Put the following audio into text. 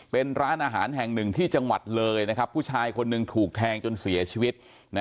เป็นร้านอาหารแห่งหนึ่งที่จังหวัดเลยนะครับผู้ชายคนหนึ่งถูกแทงจนเสียชีวิต